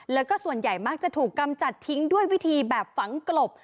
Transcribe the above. แล้วก็ส่วนใหญ่มักจะถูกกำจัดทิ้งด้วยวิธีแบบฝังกลบ